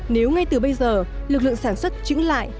nếu ngay từ bây giờ lực lượng sản xuất trứng lại